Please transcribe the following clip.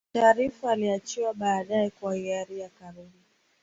Sharriff aliachiwa baadae kwa hiari ya Karume